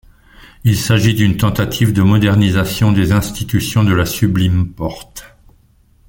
Il s'agit d'une tentative de modernisation des institutions de la Sublime Porte.